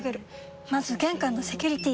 まず玄関のセキュリティ！